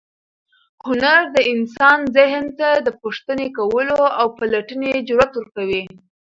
هنر د انسان ذهن ته د پوښتنې کولو او پلټنې جرات ورکوي.